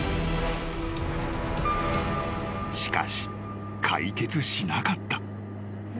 ［しかし解決しなかった］